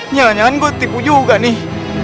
nyala nyalan gue ketipu juga nih